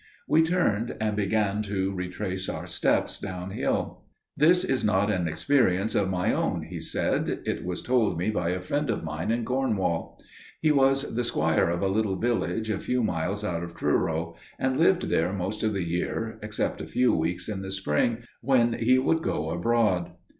We turned and began to retrace our steps downhill. "This is not an experience of my own," he said. "It was told me by a friend of mine in Cornwall. He was the squire of a little village a few miles out of Truro, and lived there most of the year except a few weeks in the spring, when he would go abroad.